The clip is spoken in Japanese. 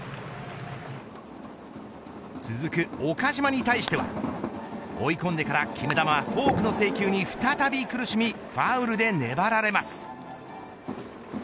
続く岡島に対しては追い込んでから決め球フォークの制球に再び苦しみファウルで粘られます。